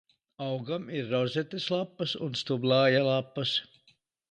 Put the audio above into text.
Augam ir rozetes lapas un stublāja lapas.